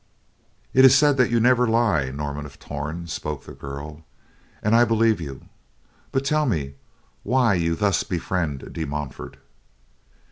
"It is said that you never lie, Norman of Torn," spoke the girl, "and I believe you, but tell me why you thus befriend a De Montfort."